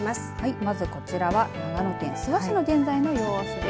まずこちらは長野県諏訪市の現在の様子です。